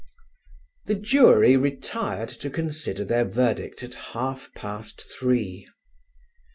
The jury retired to consider their verdict at half past three.